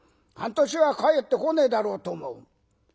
半年は帰ってこねえだろうと思う。